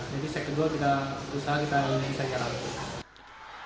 jadi setelah itu kita berusaha kita bisa nyerang